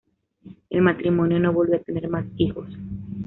El matrimonio no volvió a tener más hijos.